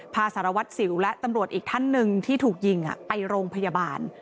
สารวัตรสิวและตำรวจอีกท่านหนึ่งที่ถูกยิงไปโรงพยาบาล